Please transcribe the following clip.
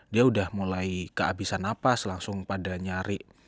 dia udah mulai ke abisan nafas langsung pada nyari